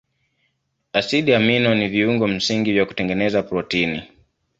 Asidi amino ni viungo msingi vya kutengeneza protini.